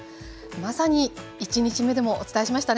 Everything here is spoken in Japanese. まさに１日目でもお伝えしましたね。